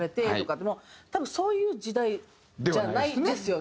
多分そういう時代じゃないですよね？